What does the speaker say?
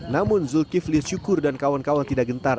namun zulkifli syukur dan kawan kawan tidak gentar